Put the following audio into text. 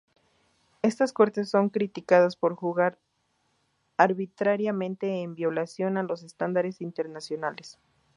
Estas cortes son criticadas por juzgar arbitrariamente, en violación a los estándares internacionales.